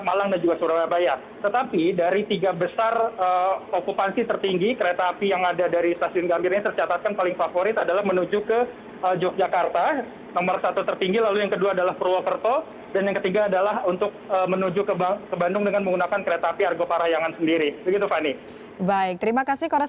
albi pratama stasiun gambir jakarta